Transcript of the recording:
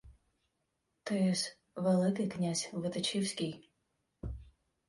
— Ти-с Великий князь витичівський.